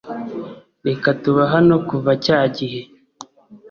Reka tuba hano kuva cya gihe